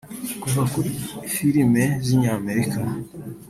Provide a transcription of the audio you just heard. Kuva kuri filime z’inyamerika